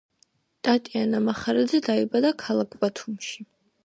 ტატიანა მახარაძე დაიბადა ქალაქ ბათუმში.